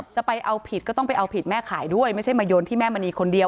จะเอาผิดก็ต้องไปเอาผิดแม่ขายด้วยไม่ใช่มาโยนที่แม่มณีคนเดียว